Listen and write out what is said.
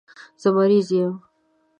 زه مریض یم.